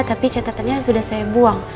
tapi catatannya sudah saya buang